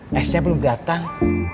mesin belum datang